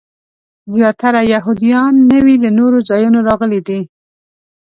زیاتره یهودیان نوي له نورو ځایونو راغلي دي.